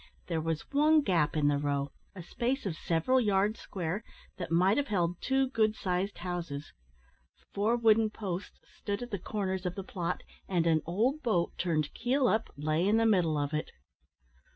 There was one gap in the row, a space of several yards square, that might have held two good sized houses. Four wooden posts stood at the corners of the plot, and an old boat, turned keel up, lay in the middle of it.